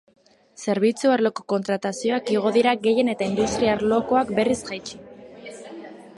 Zerbitzu arloko kontratazioak igo dira gehien eta industria arlokoak berriz jaitsi.